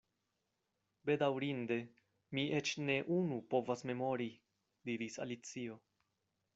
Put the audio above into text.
"Bedaŭrinde, mi eĉ ne unu povas memori," diris Alicio.